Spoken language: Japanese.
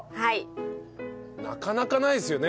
なかなかないですよね。